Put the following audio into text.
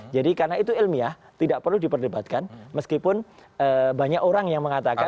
jadi karena itu ilmiah tidak perlu diperdebatkan meskipun banyak orang yang mengatakan